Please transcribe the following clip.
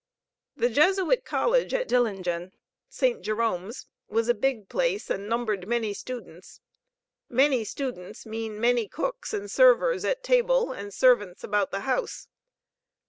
The Jesuit college at Dillingen, Saint Jerome's, was a big place and numbered many students. Many students mean many cooks and servers at table and servants about the house.